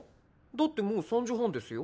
だってもう３時半ですよ。